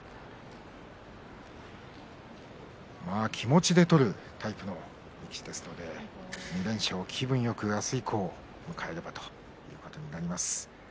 気持ちで取るタイプの力士ですので２連勝、気分よく明日以降を迎えればということになります。